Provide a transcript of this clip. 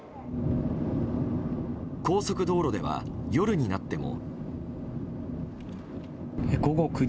高速道路では、夜になっても。